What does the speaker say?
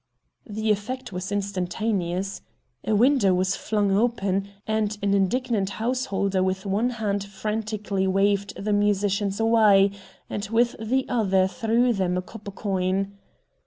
The effect was instantaneous. A window was flung open, and an indignant householder with one hand frantically waved the musicians away, and with the other threw them a copper coin.